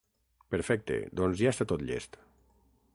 Perfecte, doncs ja està tot llest.